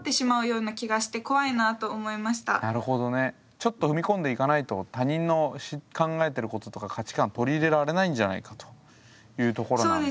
ちょっと踏み込んでいかないと他人の考えてることとか価値観取り入れられないんじゃないかというところなんですね。